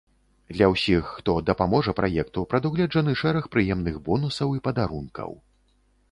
Для ўсіх, хто дапаможа праекту, прадугледжаны шэраг прыемных бонусаў і падарункаў.